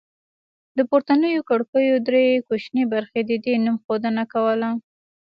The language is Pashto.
د پورتنیو کړکیو درې کوچنۍ برخې د دې نوم ښودنه کوله